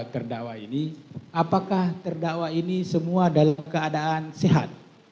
terdakwa ini apakah terdakwa ini semua dalam keadaan sehat